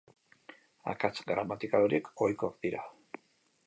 Akats gramatikal horiek ohikoak dira.